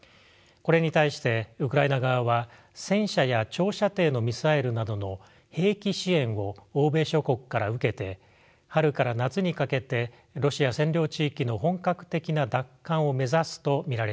これに対してウクライナ側は戦車や長射程のミサイルなどの兵器支援を欧米諸国から受けて春から夏にかけてロシア占領地域の本格的な奪還を目指すと見られています。